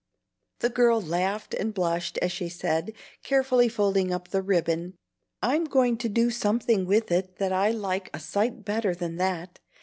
The girl laughed and blushed as she said, carefully folding up the ribbon, "I'm going to do something with it that I like a sight better than that.